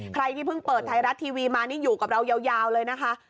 ใครที่เพิ่งเปิดไทยรัฐทีวีมานี่อยู่กับเรายาวเลยนะคะ